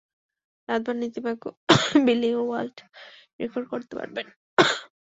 রাতভর নীতিবাক্য বিলিয়ে world record করতে পারবে না।